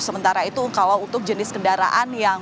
sementara itu kalau untuk jenis kendaraan yang